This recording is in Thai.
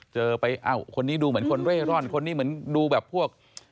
เจอไปอ้าวคนนี้ดูเหมือนคนเร่ร่อนคนนี้เหมือนดูแบบพวก